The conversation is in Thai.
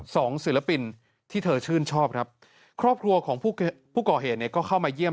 ศิลปินที่เธอชื่นชอบครับครอบครัวของผู้ก่อเหตุเนี่ยก็เข้ามาเยี่ยม